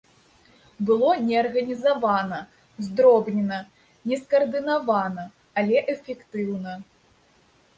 Было неарганізавана, здробнена, нескаардынавана, але эфектыўна.